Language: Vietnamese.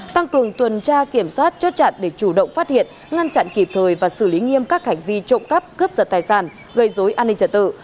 tăng cường tuần tra kiểm soát chốt chặn để chủ động phát hiện ngăn chặn kịp thời và xử lý nghiêm các hành vi trộm cắp cướp giật tài sản gây dối an ninh trật tự